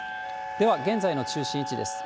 では、現在の中心位置です。